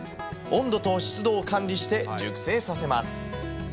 温度と湿度を管理して熟成させます。